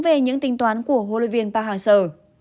về những tính toán của hlv park hang seo